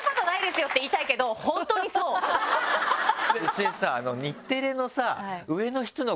それでさ。